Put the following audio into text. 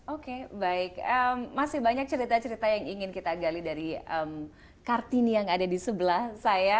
oke baik masih banyak cerita cerita yang ingin kita gali dari kartini yang ada di sebelah saya